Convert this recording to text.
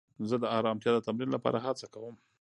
زه د ارامتیا د تمرین لپاره هڅه کوم.